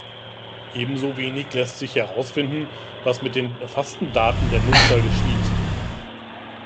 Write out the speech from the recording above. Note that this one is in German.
Ebenso wenig lässt sich herausfinden, was mit den erfassten Daten der Nutzer geschieht.